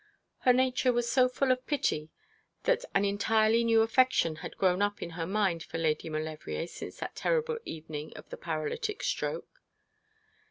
Her nature was so full of pity that an entirely new affection had grown up in her mind for Lady Maulevrier since that terrible evening of the paralytic stroke.